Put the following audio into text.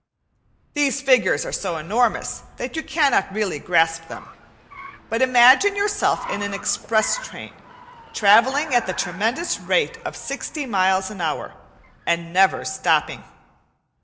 These figures are so enormous that you cannot really grasp them. But imagine yourself in an express train, travelling at the tremendous rate of sixty miles an hour and never stopping.